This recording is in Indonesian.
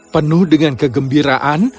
penuh dengan kegembiraan